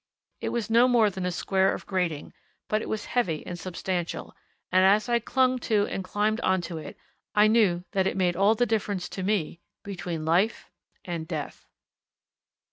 It was no more than a square of grating, but it was heavy and substantial; and as I clung to and climbed on to it, I knew that it made all the difference to me between life and death.